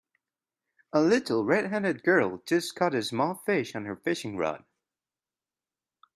a Little redheaded girl just caught a small fish on her fishing rod.